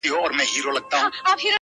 ستا د رخسار خبري ډيري ښې دي؛